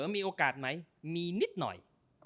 มีโอกาสไหมมีนิดหน่อย